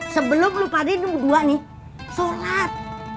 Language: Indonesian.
sebelum lu pada ini berdua nih sholat